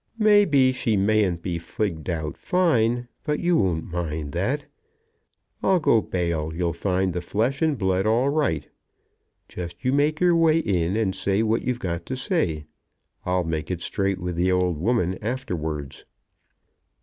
May be she mayn't be figged out fine, but you won't mind that. I'll go bail you'll find the flesh and blood all right. Just you make your way in, and say what you've got to say. I'll make it straight with the old woman afterwards."